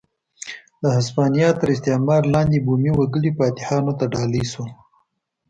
د هسپانیا تر استعمار لاندې بومي وګړي فاتحانو ته ډالۍ شول.